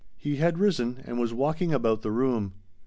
He had risen and was walking about the room.